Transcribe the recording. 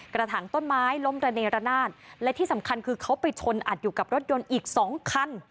กระถางต้นไม้ล้มระเนรนาศและที่สำคัญคือเขาไปชนอัดอยู่กับรถยนต์อีกสองคัน